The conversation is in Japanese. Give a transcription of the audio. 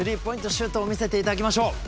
シュートを見せて頂きましょう。